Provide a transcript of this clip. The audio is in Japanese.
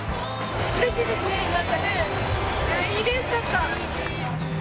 うれしいですね、いいレースだった！